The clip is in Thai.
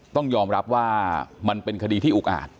ต้องยอมรับว่ามันเป็นคดีที่อุกอาจ